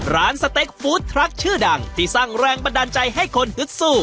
สเต็กฟู้ดทรัคชื่อดังที่สร้างแรงบันดาลใจให้คนฮึดสู้